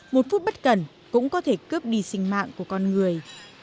một phút bất cẩn cũng có thể cướp đi sinh mạng của con người